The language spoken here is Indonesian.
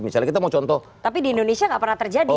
tapi di indonesia tidak pernah terjadi